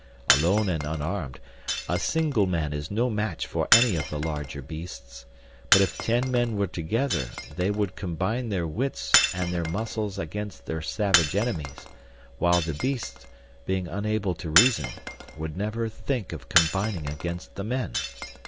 "Alone and unarmed, a single man is no match for any of the larger beasts; but if ten men were together, they would combine their wits and their muscles against their savage enemies, while the beasts, being unable to reason, would never think of combining against the men.